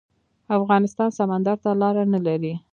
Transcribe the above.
افغانستان سمندر ته لاره نلري